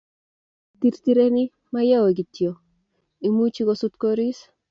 kitirtireni Mayowe kityo, imuchi kosut koris